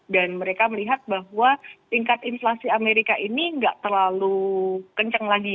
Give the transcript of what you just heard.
dan mereka melihat bahwa tingkat inflasi amerika ini nggak terlalu kencang lagi